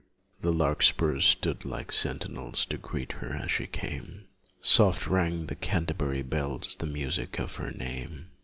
The larkspurs stood like sentinels To greet her as she came, Soft rang the Canterbury bells The music of her name.